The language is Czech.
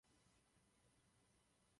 Byl také prvním australským nosičem letadel.